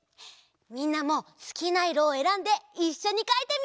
みんなもすきないろをえらんでいっしょにかいてみよう！